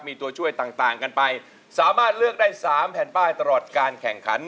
มีตัวช่วยต่างกันไปสามารถเลือกได้๓แผ่นป้ายตลอดการแข่งขัน